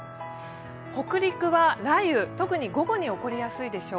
北陸は雷雨、特に午後に起こりやすいでしょう。